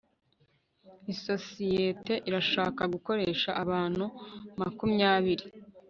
isosiyete irashaka gukoresha abantu makumyabiri